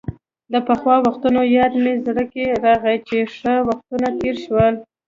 د پخوا وختونو یاد مې زړه کې راغۍ، څه ښه وختونه تېر شول.